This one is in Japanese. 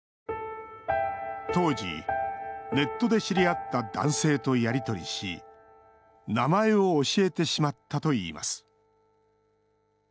当時、ネットで知り合った男性とやり取りし名前を教えてしまったといいます。